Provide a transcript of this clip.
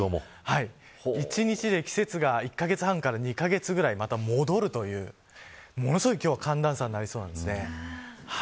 一日で季節が、１カ月半から２カ月ぐらい、また戻るというものすごい今日は寒暖差になりそうなんですね。